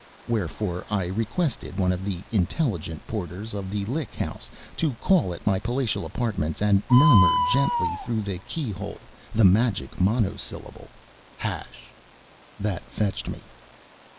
wherefore I requested one of the intelligent porters of the Lick House to call at my palatial apartments, and murmur gently through the key hole the magic monosyllable "Hash!" That "fetched me."